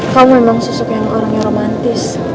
kamu memang sesuka dengan orang yang romantis